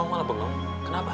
kok kamu malah bengong kenapa